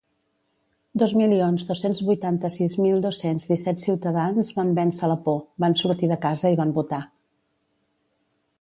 Dos milions dos-cents vuitanta-sis mil dos-cents disset ciutadans van vèncer la por, van sortir de casa i van votar.